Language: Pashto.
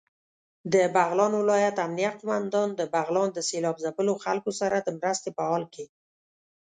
دبغلان ولايت امنيه قوماندان دبغلان د سېلاب ځپلو خلکو سره دمرستې په حال کې